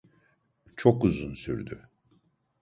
Çok uzun sürdü.